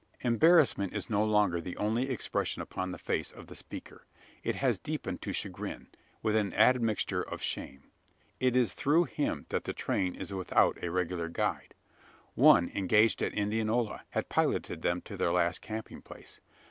Embarrassment is no longer the only expression upon the face of the speaker. It has deepened to chagrin, with an admixture of shame. It is through him that the train is without a regular guide. One, engaged at Indianola, had piloted them to their last camping place.